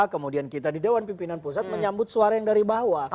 kemudian kita di dewan pimpinan pusat menyambut suara yang dari bawah